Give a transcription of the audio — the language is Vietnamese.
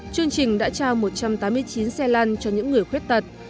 chương trình đã trao một trăm tám mươi chín xe lăn cho những người khuyết tật